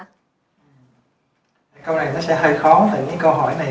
câu này nó sẽ hơi khó tại vì những câu hỏi này